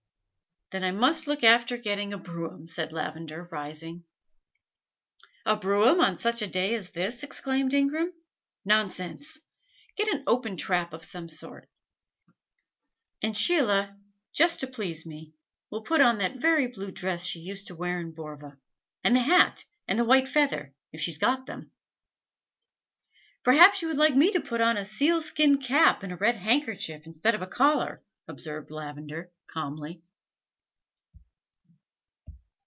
"Then I must look after getting a brougham," said Lavender, rising. "A brougham on such a day as this?" exclaimed Ingram. "Nonsense! Get an open trap of some sort; and Sheila, just to please me, will put on that very blue dress she used to wear in Borva, and the hat and the white feather, if she has got them." "Perhaps you would like me to put on a sealskin cap and a red handkerchief instead of a collar," observed Lavender, calmly.